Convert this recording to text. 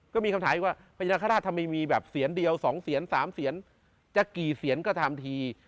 ก็มีคำถามอีกว่าพญานาคาราชทำไมมีแบบเสียนเดียว๒เสียน๓เสียนจะกี่เสียนก็ทำที